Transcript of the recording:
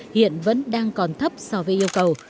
hiện vẫn đang còn thấp so với yêu cầu